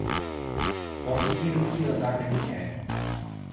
موسیقی روح کی غذا نہیں ہے